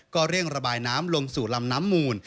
ก็เร่งระบายน้ำลงสู่ลำน้ำมูล